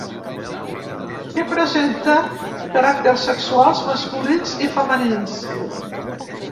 Que presenta caràcters sexuals masculins i femenins.